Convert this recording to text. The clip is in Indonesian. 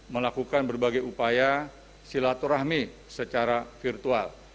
melakukan berbagai upaya silaturahmi secara virtual